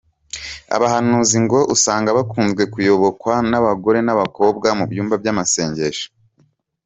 Abahanuzi ngo usanga bakunzwe kuyobokwa n’abagore n’ abakobwa, mu byumba by’amasengesho.